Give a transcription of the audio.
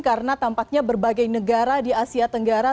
karena tampaknya berbagai negara di asia tenggara